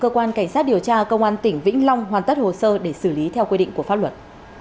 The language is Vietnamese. cơ quan cảnh sát điều tra công an tỉnh vĩnh long hoàn tất hồ sơ để xử lý theo quy định của pháp luật